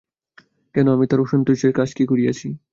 কেন, আমি তাঁর অসন্তোষের কাজ কী করিয়াছি?